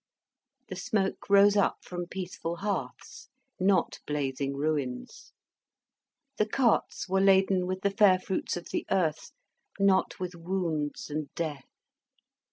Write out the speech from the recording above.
The smoke rose up from peaceful hearths, not blazing ruins. The carts were laden with the fair fruits of the earth, not with wounds and death.